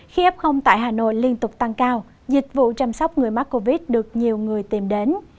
khi f tại hà nội liên tục tăng cao dịch vụ chăm sóc người mắc covid được nhiều người tìm đến